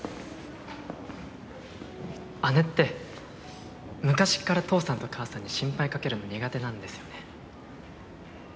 姉って昔っから父さんと母さんに心配かけるの苦手なんですよね。